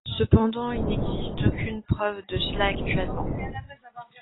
Cependant, il n'existe aucune preuve de cela actuellement.